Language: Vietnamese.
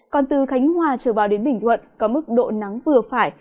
còn từ khánh hòa trở vào đến bình thuận có mức độ nắng vừa phải